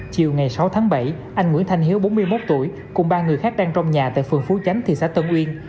chiều ngày sáu tháng bảy anh nguyễn thanh hiếu bốn mươi một tuổi cùng ba người khác đang trong nhà tại phường phú chánh thị xã tân uyên